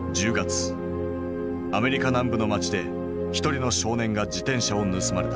アメリカ南部の町で一人の少年が自転車を盗まれた。